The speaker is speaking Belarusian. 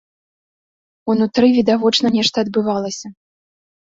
Унутры відавочна нешта адбывалася.